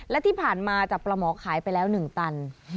และที่ผ่านมาจับปลาหมอขายไปแล้ว๑ตัน